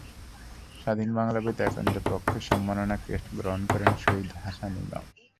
স্বাধীন বাংলা বেতারকেন্দ্রের পক্ষে সম্মাননা ক্রেস্ট গ্রহণ করেন সৈয়দ হাসান ইমাম।